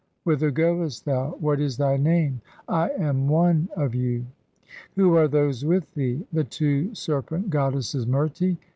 Whither goest thou ? (2) What is thy name? "I am one of you." Who are those with thee? "The two serpent goddesses Merti.